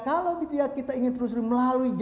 kalau kita ingin telusuri melalui